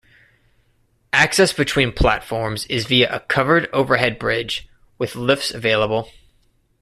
Access between platforms is via a covered overhead bridge, with lifts available.